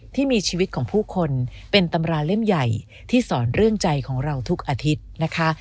ที่มีชีวิตของผู้คนเป็นตำราเล่มใหญ่ที่สอนเรื่องใจของเราทุกอาทิตย์นะคะ